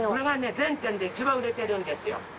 全店でいちばん売れてるんですよ。